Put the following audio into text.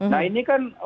nah ini kan